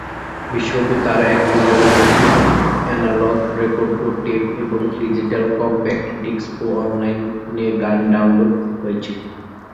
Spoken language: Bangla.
বিশ্বব্যাপী তার এক বিলিয়নের অধিক অ্যানালগ রেকর্ড ও টেপ এবং ডিজিটাল কমপ্যাক্ট ডিস্ক ও অনলাইনে গান ডাউনলোড হয়েছে।